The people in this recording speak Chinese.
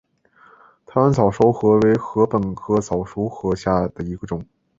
台湾早熟禾为禾本科早熟禾属下的一个种。